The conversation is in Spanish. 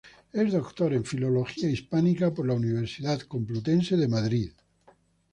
Es Doctor en Filología Hispánica por la Universidad Complutense de Madrid.